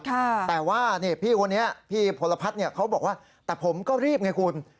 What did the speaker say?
แต่ว่าพี่พลพัฒน์เขาบอกว่าแต่ผมก็รีบไงคุณ